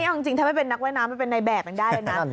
เอาจริงถ้าไม่เป็นนักว่ายน้ำมันเป็นในแบบนั้นได้เลยนะ